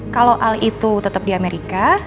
kalo al itu tetep di amerika